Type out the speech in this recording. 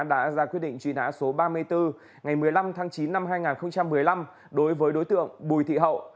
đã ra quyết định truy nã số ba mươi bốn ngày một mươi năm tháng chín năm hai nghìn một mươi năm đối với đối tượng bùi thị hậu